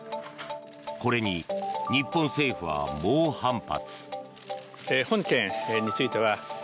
これに日本政府は猛反発。